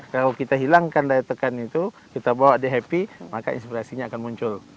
kalau kita hilangkan daya tekan itu kita bawa dia happy maka inspirasinya akan muncul